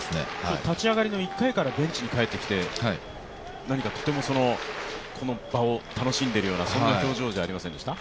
立ち上がりの１回からベンチに帰ってきて、この場を楽しんでいるような表情じゃありませんでしたか？